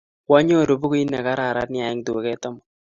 Kwanyoru pukuit ne kararan nia eng' tuget amut